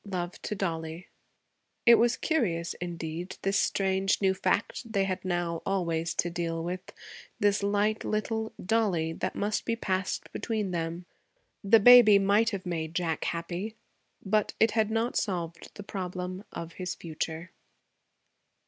Love to Dollie.' It was curious, indeed, this strange new fact they had now, always, to deal with; this light little 'Dollie' that must be passed between them. The baby might have made Jack happy, but it had not solved the problem of his future.